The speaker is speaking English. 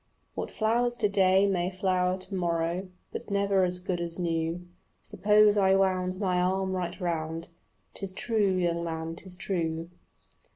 What flowers to day may flower to morrow, But never as good as new. Suppose I wound my arm right round " 'Tis true, young man, 'tis true."